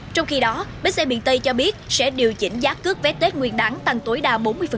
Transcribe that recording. trong khi đó bến xe miền tây cho biết sẽ điều chỉnh giá cước vé tết nguyên đắng tăng tối đa bốn mươi